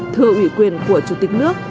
thừa ủy quyền của chủ tịch nước